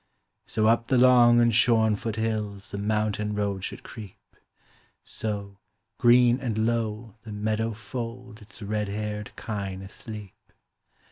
So up the long and shorn foot hills The mountain road should creep; So, green and low, the meadow fold Its red haired kine asleep.